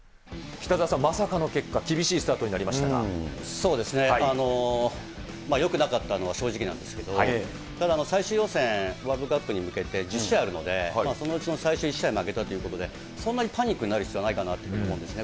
北澤さん、まさかの結果、そうですね、やっぱよくなかったのは正直なんですけど、ただ、最終予選、ワールドカップに向けて１０試合あるので、そのうちの最終１試合負けたということで、そんなにパニックになる必要はないかなと思うんですね。